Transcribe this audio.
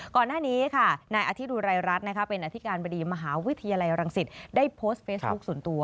ก่อนหน้านี้ในอาทิตยุรายรัตน์เป็นอาธิกาลบิริมหาวิทยาลัยรังสินได้โพสต์เฟสบุคส่วนตัว